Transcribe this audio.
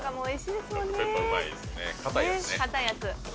かたいやつね。